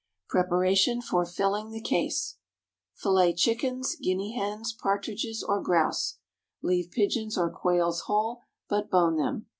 Preparation for Filling the Case. Fillet chickens, guinea hens, partridges, or grouse (leave pigeons or quails whole, but bone them).